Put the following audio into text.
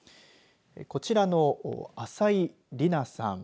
こちらの朝井莉名さん。